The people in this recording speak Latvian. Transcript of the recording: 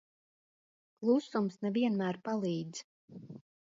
Klusums ne vienmēr palīdz.